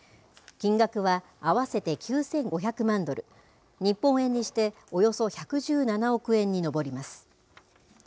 金額は合わせて９５００万ドル、日本円にして、およそ１１７億円に上ります。